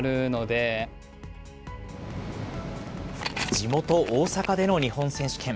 地元、大阪での日本選手権。